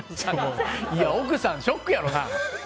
いや、奥さんショックやろな！